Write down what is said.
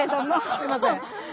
すいません。